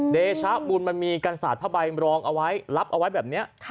เดช้าบูลมันมีการสาดผ้าใบรอบเอาไว้แบบนี้